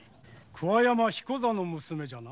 桑山彦左の娘じゃな。